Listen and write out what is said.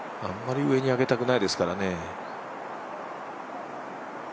あんまり上に上げたくないですからね。